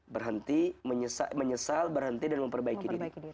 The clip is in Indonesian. berhenti menyesal berhenti dan memperbaiki diri